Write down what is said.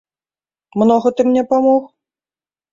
Многа ты мне памог?